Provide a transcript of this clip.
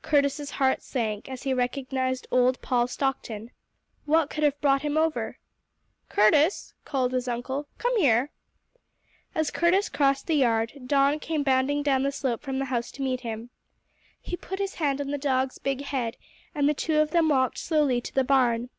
Curtis's heart sank as he recognized old Paul Stockton. What could have brought him over? "Curtis," called his uncle, "come here." As Curtis crossed the yard, Don came bounding down the slope from the house to meet him. He put his hand on the dog's big head and the two of them walked slowly to the barn.